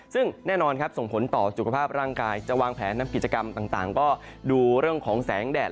ซึ่งแน่นอนครับส่งผลต่อสุขภาพร่างกายจะวางแผนทำกิจกรรมต่างก็ดูเรื่องของแสงแดด